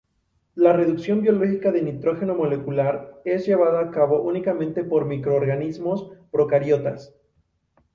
La reducción biológica de nitrógeno molecular es llevada a cabo únicamente por microorganismos procariotas.